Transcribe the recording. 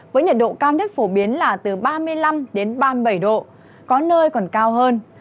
với nhiệt độ cao nhất phổ biến là từ ba mươi năm ba mươi bảy độ có nơi còn cao hơn